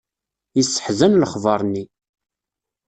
Yesseḥzan lexbeṛ-nni